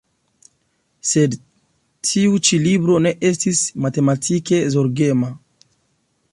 Sed tiu ĉi libro ne estis matematike zorgema.